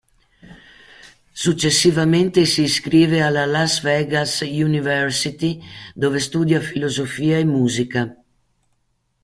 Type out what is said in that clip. Successivamente si iscrive alla Las Vegas University, dove studia filosofia e musica.